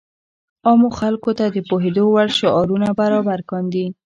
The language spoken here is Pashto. عامو خلکو ته د پوهېدو وړ شعارونه برابر کاندي.